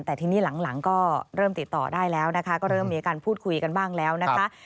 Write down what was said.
แต่ทีนี้หลังก็เริ่มติดต่อได้แล้วนะคะก็เริ่มมีการพูดคุยกันบ้างแล้วนะคะ